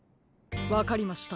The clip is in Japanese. わかりました。